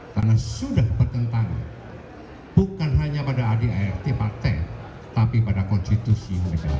karena sudah bertentangan bukan hanya pada ad dan art partai tapi pada konstitusi